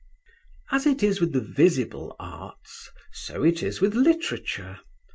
As it is with the visible arts, so it is with literature.